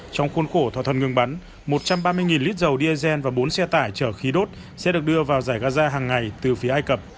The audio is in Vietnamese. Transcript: trong khuôn khổ thỏa thuận ngừng bắn một trăm ba mươi lít dầu diesel và bốn xe tải chở khí đốt sẽ được đưa vào giải gaza hàng ngày từ phía ai cập